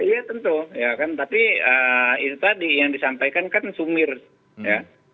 ya tentu tapi itu tadi yang disampaikan kan sumir ya